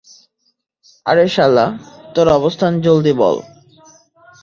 আরে শালা, তোর অবস্থান জলদি বল।